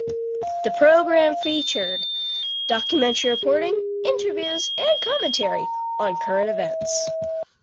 The program featured documentary reporting, interviews and commentary on current events.